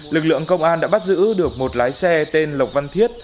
lực lượng công an đã bắt giữ được một lái xe tên lộc văn thiết